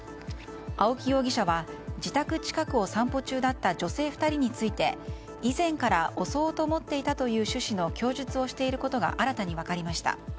青木容疑者は自宅近くを散歩中だった女性２人について、以前から襲おうと思っていたという趣旨の供述をしていることが新たに分かりました。